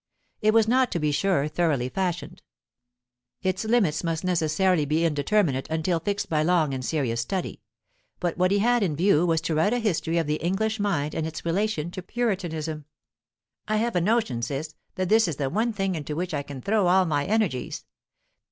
It was not, to be sure, thoroughly fashioned; its limits must necessarily be indeterminate until fixed by long and serious study; but what he had in view was to write a history of the English mind in its relation to Puritanism. "I have a notion, Ciss, that this is the one thing into which I can throw all my energies.